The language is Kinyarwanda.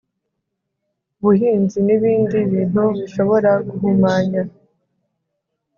Buhinzi n ibindi bintu bishobora guhumanya